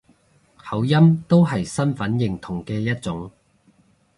口音都係身份認同嘅一種